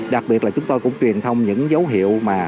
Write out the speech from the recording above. đặc biệt là chúng tôi cũng truyền thông những dấu hiệu